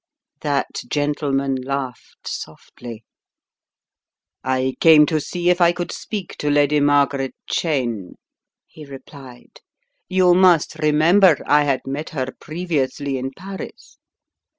That gentleman laughed softly. A Twisted Clue 235 "I came to see if I could speak to Lady Margaret Cheyne," he replied, "you must remember I had met her previously in Paris."